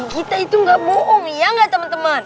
kita itu gak bohong ya gak teman teman